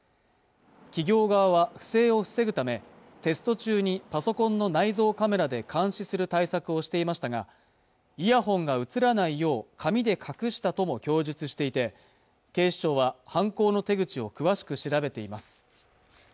企業側は不正を防ぐためテスト中にパソコンの内蔵カメラで監視する対策をしていましたがイヤホンが映らないよう髪で隠したとも供述していて警視庁は犯行の手口を詳しく調べています